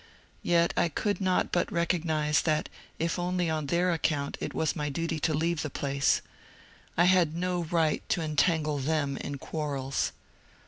Yet I could not but recognize that if only on their account it was my duty to leave the place ; I had no right to entangle them in quar EXILED FROM HOME 191 rels.